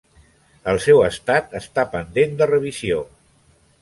El seu estat està pendent de revisió.